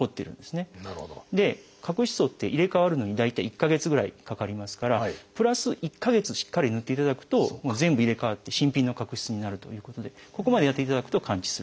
角質層って入れ代わるのに大体１か月ぐらいかかりますからプラス１か月しっかりぬっていただくと全部入れ代わって新品の角質になるということでここまでやっていただくと完治する。